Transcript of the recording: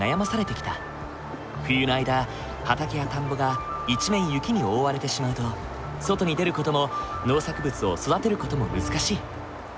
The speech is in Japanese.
冬の間畑や田んぼが一面雪に覆われてしまうと外に出る事も農作物を育てる事も難しい。